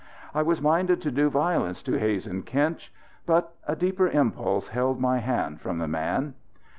I was minded to do violence to Hazen Kinch. But a deeper impulse held my hand from the man.